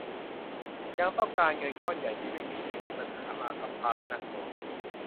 ยังต้องการเงินก้อนใหญ่ที่ไม่มี หรือมีปัญหามากับภาระหนักหน่วง